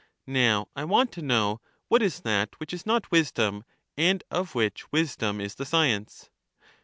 Now, I want to know, what is that which is not wisdom, and of which wisdom is the science?